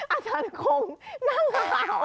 อาจารย์คงนั่งข่าว